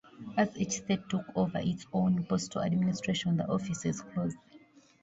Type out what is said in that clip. As each state took over its own postal administration, the offices closed.